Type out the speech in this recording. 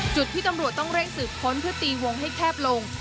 จุดที่ตำรวจต้องเร่งสืบค้นเพื่อตีวงให้แคบลง